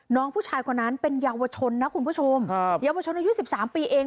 น้องผู้ชายคนนั้นเป็นเยาวชนนะคุณผู้ชมครับเยาวชนอายุสิบสามปีเอง